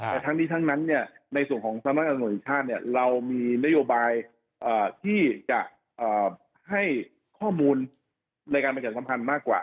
แต่ทั้งนี้ทั้งนั้นเนี่ยในส่วนของสำนักการตรงหลีชาติเนี่ยเรามีนโยบายที่จะให้ข้อมูลรายการบริการสัมพันธ์มากกว่า